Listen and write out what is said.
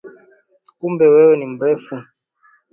Kumbe wewe ni mrefu?